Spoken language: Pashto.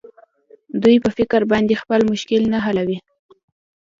دوى په فکر باندې خپل مشکل نه حلوي.